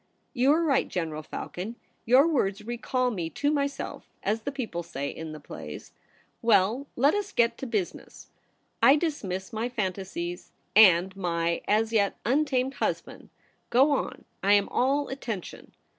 ' You are right, General Falcon ; your words recall me to myself, as the people say in the plays. Well, let us get to business. I dismiss my phantasies and my, as yet, un tamed husband. Go on, I am all attention.'